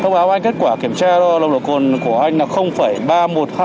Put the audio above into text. thông báo anh kết quả kiểm tra lòng độ cồn của anh là ba trăm một mươi hai mg trên một lít hơi thở